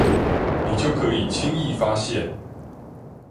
你就可以輕易發現